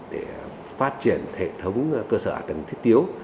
để phát triển hệ thống cơ sở ả tầng thiết tiếu